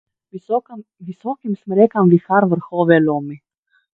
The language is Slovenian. Visokim smrekam vihar vrhove lomi.